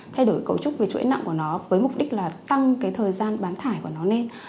thay đổi cấu trúc về chuỗi nặng của nó với mục đích là tăng cái thời gian bán thải của nó lên